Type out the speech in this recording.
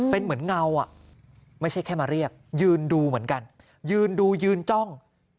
เป็นเหมือนเงาอ่ะไม่ใช่แค่มาเรียกยืนดูเหมือนกันยืนดูยืนจ้อง